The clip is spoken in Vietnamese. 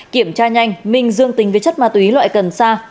kiểm tra nhanh minh dương tính với chất ma túy loại cần sa